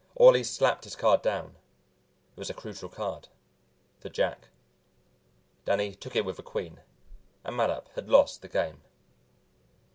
Orley slapped his card down; it was a crucial card, the jack. Danny took it with a queen and Mattup had lost the game.